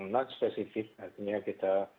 non spesifik artinya kita